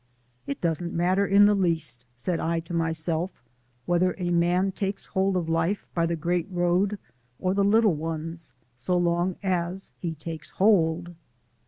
"It doesn't matter in the least," said I to myself, "whether a man takes hold of life by the great road or the little ones so long as he takes hold."